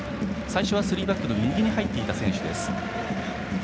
最初はスリーバックの右に入っていた選手です。